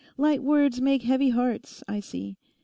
Light words make heavy hearts, I see.